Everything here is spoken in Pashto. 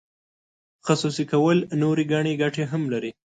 خصوصي کول نورې ګڼې ګټې هم لري.